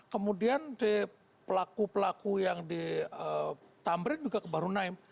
kemudian pelaku pelaku yang ditambri juga ke baharum naim